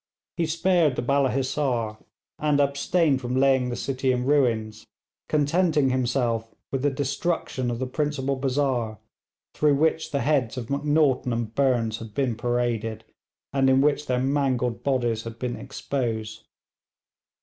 He spared the Balla Hissar, and abstained from laying the city in ruins, contenting himself with the destruction of the principal bazaar, through which the heads of Macnaghten and Burnes had been paraded, and in which their mangled bodies had been exposed.